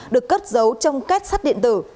được cất giấu trong két sắt điện tử